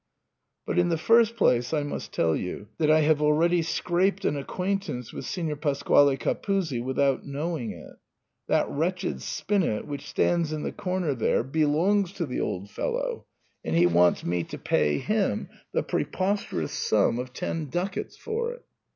But in the first place I must tell you that I have already scraped an acquaintance with Signor Pasquale Capuzzi without knowing it. That wretched spinet, which stands in the comer there, belongs to the old fellow, and he wants me to pay him the preposterous sum of 98 SIGNOR FORMICA. ten ducats^ for it.